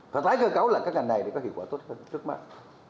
phải tái cơ cấu là các ngành này có hiệu quả tốt hơn rất mát